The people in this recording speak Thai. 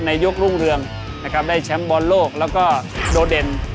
ยกรุ่งเรืองนะครับได้แชมป์บอลโลกแล้วก็โดดเด่น